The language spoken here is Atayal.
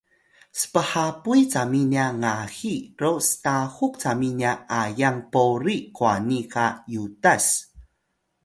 sphapuy cami nya ngahi ro stahuk cami nya ayang pori qwani qa yutas